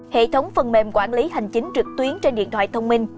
hệ thống phần mềm quản lý hành chính trực tuyến trên điện thoại thông minh